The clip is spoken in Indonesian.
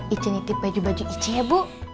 icet nitip baju baju icet ya bu